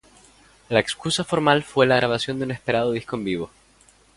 La excusa formal fue la grabación de un esperado disco en vivo.